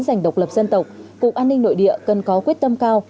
dành độc lập dân tộc cục an ninh nội địa cần có quyết tâm cao